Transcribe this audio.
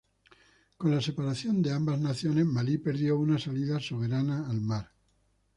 Con la separación de ambas naciones, Malí perdió una salida soberana al mar.